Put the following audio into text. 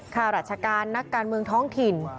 ข้าราชการนักการเมืองท้องถิ่น